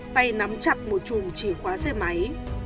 tay nắm chặt một chùm chìa khóa xe máy